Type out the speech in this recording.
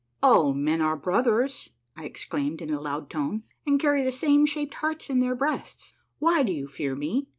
" All men are brothers," I exclaimed in a loud tone, " and carry the same shaped hearts in their breasts. Why do you fear me?